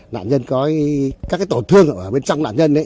nạn nhân có các cái tổn thương ở bên trong nạn nhân ấy